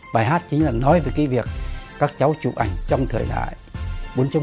bài hát chính là nói về cái việc các cháu chụp ảnh trong thời đại bốn